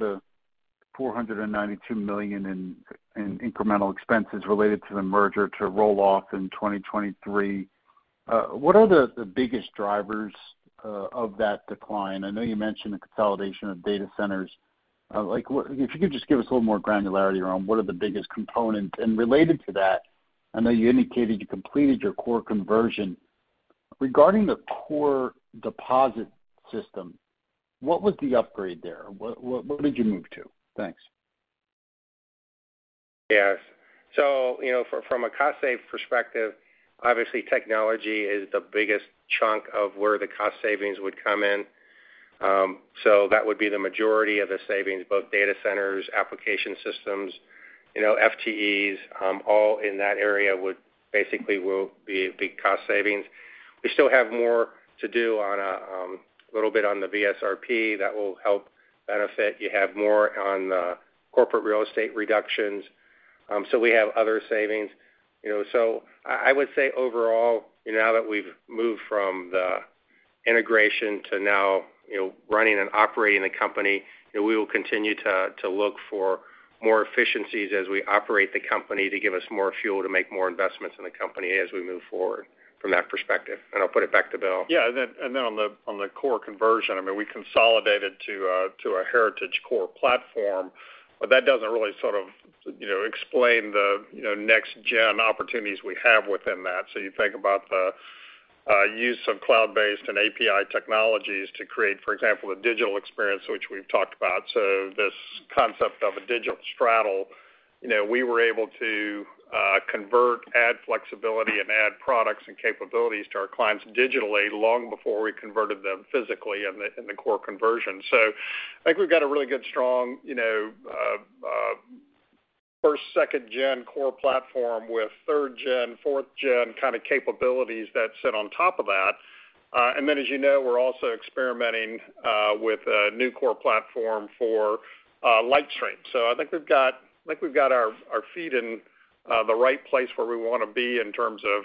$492 million in incremental expenses related to the merger to roll off in 2023, what are the biggest drivers of that decline? I know you mentioned the consolidation of data centers. Like, what if you could just give us a little more granularity around what are the biggest components. Related to that, I know you indicated you completed your core conversion. Regarding the core deposit system, what was the upgrade there? What did you move to? Thanks. Yes. You know, from a cost save perspective, obviously technology is the biggest chunk of where the cost savings would come in. That would be the majority of the savings, both data centers, application systems. You know, FTEs, all in that area would basically be big cost savings. We still have more to do on a little bit on the VSRP that will help benefit. You have more on the corporate real estate reductions. We have other savings. You know, I would say overall, you know, now that we've moved from the integration to now, you know, running and operating the company, you know, we will continue to look for more efficiencies as we operate the company to give us more fuel to make more investments in the company as we move forward from that perspective. I'll put it back to Bill. On the core conversion, I mean, we consolidated to a heritage core platform, but that doesn't really sort of, you know, explain the, you know, next gen opportunities we have within that. You think about the use of cloud-based and API technologies to create, for example, a digital experience, which we've talked about. This concept of a digital straddle, you know, we were able to convert, add flexibility, and add products and capabilities to our clients digitally long before we converted them physically in the core conversion. I think we've got a really good strong, you know, first, second gen core platform with third gen, fourth gen kind of capabilities that sit on top of that. As you know, we're also experimenting with a new core platform for LightStream. I think we've got our feet in the right place where we want to be in terms of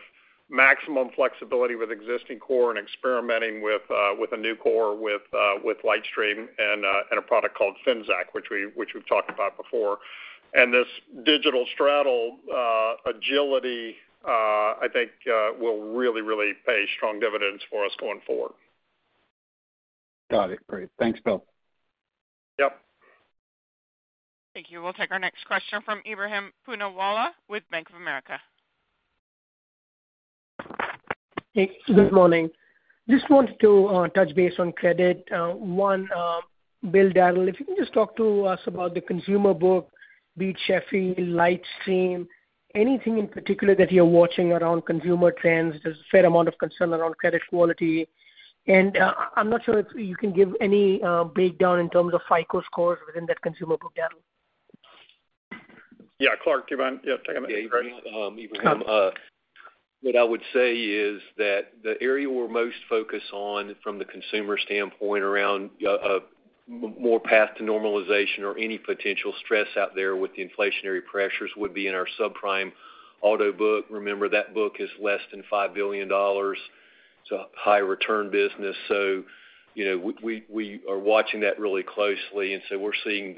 maximum flexibility with existing core and experimenting with a new core with LightStream and a product called Zafin, which we've talked about before. This digital straddle agility, I think, will really pay strong dividends for us going forward. Got it. Great. Thanks, Bill. Yep. Thank you. We'll take our next question from Ebrahim Poonawala with Bank of America. Hey, good morning. Just wanted to touch base on credit. Bill, Darryl, if you can just talk to us about the consumer book, be it Sheffield, LightStream, anything in particular that you're watching around consumer trends. There's a fair amount of concern around credit quality. I'm not sure if you can give any breakdown in terms of FICO scores within that consumer book, Darryl. Yeah, Clarke, do you mind taking that? Yeah. Ebrahim, what I would say is that the area we're most focused on from the consumer standpoint around more path to normalization or any potential stress out there with the inflationary pressures would be in our subprime auto book. Remember, that book is less than $5 billion. It's a high return business, so you know, we are watching that really closely, and so we're seeing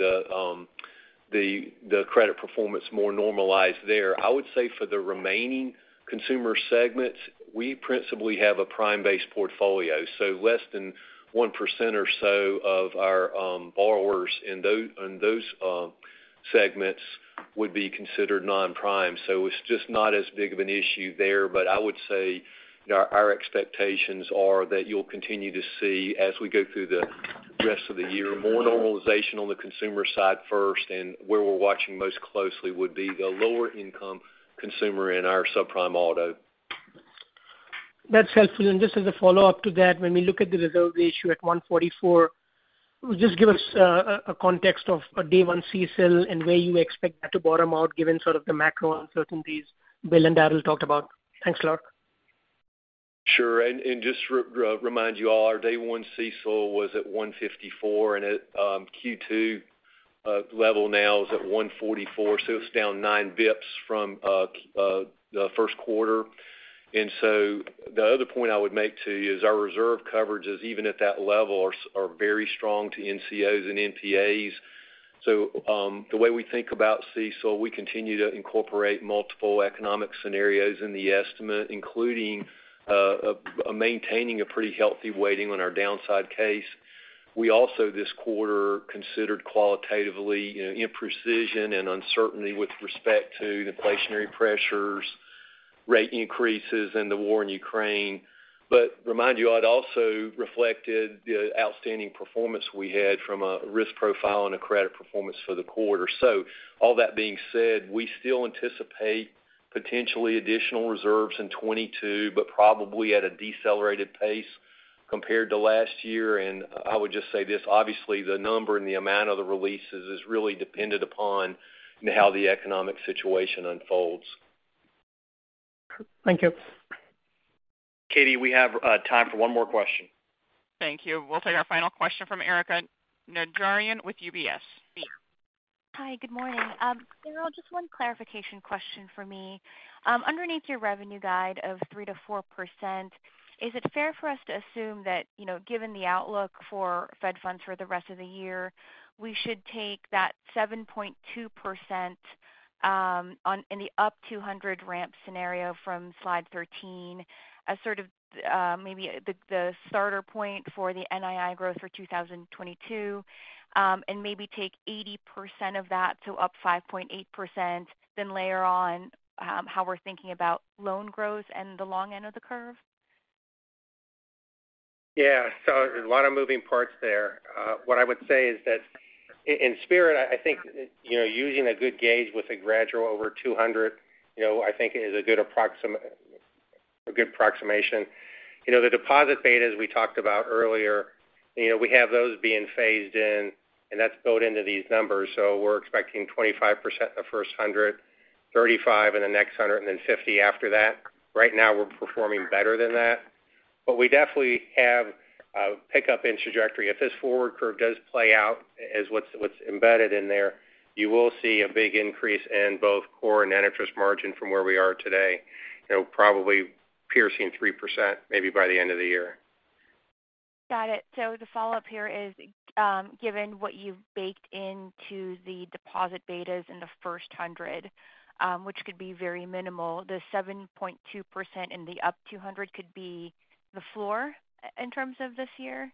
the credit performance more normalized there. I would say for the remaining consumer segments, we principally have a prime-based portfolio, so less than 1% or so of our borrowers in those segments would be considered non-prime. It's just not as big of an issue there. I would say our expectations are that you'll continue to see, as we go through the rest of the year, more normalization on the consumer side first. Where we're watching most closely would be the lower income consumer in our subprime auto. That's helpful. Just as a follow-up to that, when we look at the reserve ratio at 1.44, just give us a context of a day one CECL and where you expect that to bottom out given sort of the macro uncertainties Bill and Daryl talked about. Thanks, Clarke. Sure. Just remind you all, our day one CECL was at 154, and at Q2 level now is at 144, so it's down 9 basis points from the first quarter. The other point I would make, too, is our reserve coverages, even at that level, are very strong to NCOs and NPAs. The way we think about CECL, we continue to incorporate multiple economic scenarios in the estimate, including maintaining a pretty healthy weighting on our downside case. We also this quarter considered qualitatively, you know, imprecision and uncertainty with respect to the inflationary pressures, rate increases, and the war in Ukraine. But to remind you, I'd also reflected the outstanding performance we had from a risk profile and a credit performance for the quarter. All that being said, we still anticipate potentially additional reserves in 2022, but probably at a decelerated pace compared to last year. I would just say this, obviously, the number and the amount of the releases is really dependent upon how the economic situation unfolds. Thank you. Katie, we have time for one more question. Thank you. We'll take our final question from Erika Najarian with UBS. Yeah. Hi, good morning. Daryl, just one clarification question for me. Underneath your revenue guide of 3%-4%, is it fair for us to assume that, you know, given the outlook for Fed funds for the rest of the year, we should take that 7.2% on any up 200 ramp scenario from slide 13 as sort of, maybe the starter point for the NII growth for 2022, and maybe take 80% of that to up 5.8%, then layer on how we're thinking about loan growth and the long end of the curve? Yeah. A lot of moving parts there. What I would say is that in spirit, I think, you know, using a good gauge with a gradual over 200, you know, I think is a good approximation. You know, the deposit betas we talked about earlier, you know, we have those being phased in, and that's built into these numbers. We're expecting 25% in the first 100, 35 in the next 100, and then 50 after that. Right now, we're performing better than that. We definitely have a pickup in trajectory. If this forward curve does play out as what's embedded in there, you will see a big increase in both core and net interest margin from where we are today. It'll probably peaking 3% maybe by the end of the year. Got it. The follow-up here is, given what you've baked into the deposit betas in the first 100, which could be very minimal, the 7.2% and the up 200 could be the floor in terms of this year?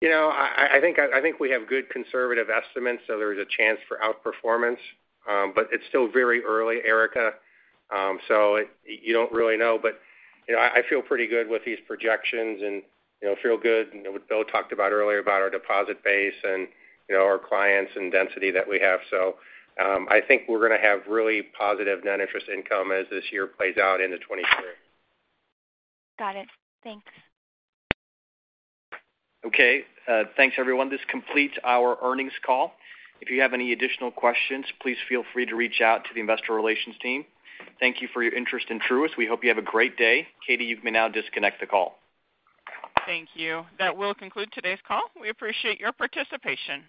You know, I think we have good conservative estimates, so there's a chance for outperformance. It's still very early, Erika, so you don't really know. You know, I feel pretty good with these projections and, you know, feel good, you know, what Bill talked about earlier about our deposit base and, you know, our clients and density that we have. I think we're gonna have really positive net interest income as this year plays out into 2023. Got it. Thanks. Okay. Thanks, everyone. This completes our earnings call. If you have any additional questions, please feel free to reach out to the investor relations team. Thank you for your interest in Truist. We hope you have a great day. Katie, you may now disconnect the call. Thank you. That will conclude today's call. We appreciate your participation.